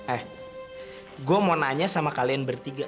eh gue mau nanya sama kalian bertiga